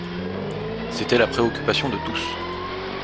C’était la préoccupation de tous.